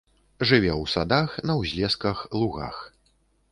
Жыве ў садах, на ўзлесках, лугах.